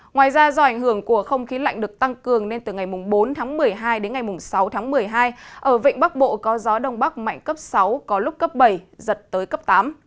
ngoài ra do ảnh hưởng của không khí lạnh được tăng cường nên từ ngày bốn tháng một mươi hai đến ngày sáu tháng một mươi hai ở vịnh bắc bộ có gió đông bắc mạnh cấp sáu có lúc cấp bảy giật tới cấp tám